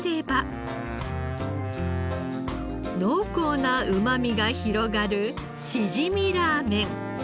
濃厚なうまみが広がるしじみラーメン。